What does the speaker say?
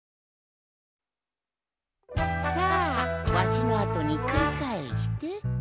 さあわしのあとにくりかえして。